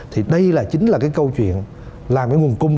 thì đây là chính là cái câu chuyện làm cái nguồn cung